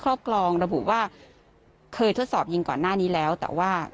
ค่ะใครใส่เหล็กไหลนะคะเหล็กไหลนะคะ